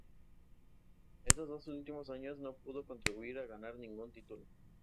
Esos dos últimos años no pudo contribuir a ganar ningún título.